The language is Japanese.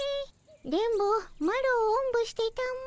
電ボマロをおんぶしてたも。